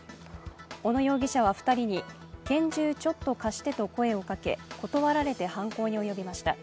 小野容疑者は２人に拳銃ちょっと貸してと声をかけ、断られて犯行に及びました。